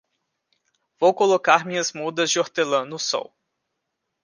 Vou colocar minhas mudas de hortelã no sol.